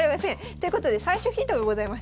ということで最初ヒントがございます。